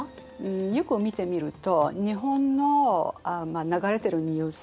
よく見てみると日本の流れてるニュース